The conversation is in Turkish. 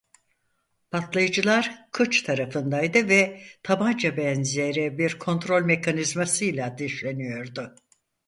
Patlayıcılar kıç tarafındaydı ve tabanca benzeri bir kontrol mekanizmasıyla ateşleniyordu.